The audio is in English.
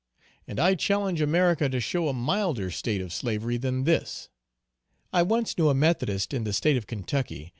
And I challenge America to show a milder state of slavery than this. I once knew a Methodist in the state of Ky.